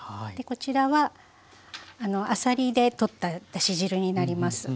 こちらはあさりでとっただし汁になります。